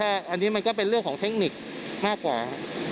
อันนี้มันก็เป็นเรื่องของเทคนิคมากกว่า